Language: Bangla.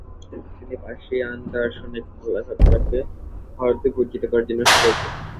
তিনি পার্সিয়ান দার্শনিক মোল্লা সদরাকে ভারতে পরিচিত করার জন্যও সুপরিচিত।